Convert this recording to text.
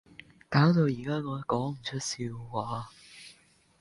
搞到而家我講唔出笑話